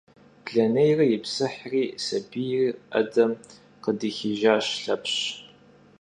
Blenêyre yipsıhri, sabiyr 'edem khıdixıjjaş Lhepş.